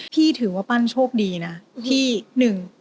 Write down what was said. ถือว่าปั้นโชคดีนะที่หนึ่ง